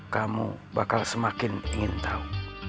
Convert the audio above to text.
kamu bakal semakin ingin tahu